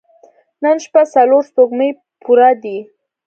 نن شپه څلور سپوږمۍ پوره دي.